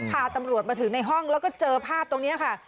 พาตำรวจมาถึงในห้องแล้วก็เจอภาพตรงนี้ค่ะ